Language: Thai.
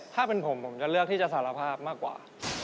ถ้าเป็นผมผมจะเลือกที่จะสารภาพมากกว่า